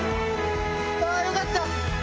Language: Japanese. よかった！